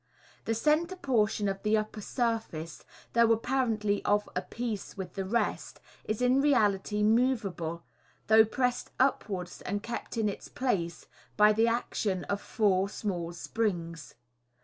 The centre portion of the upper surface, though apparently of a piece with the rest, is in reality moveable, though pressed upwards and kept in its place by the action of four small springs.